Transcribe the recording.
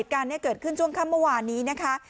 เหตุการณ์นี้เกิดขึ้นช่วงค่ำเมื่อวานนี้นะคะ